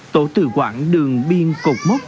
tổ tử quản đường biên cục mốc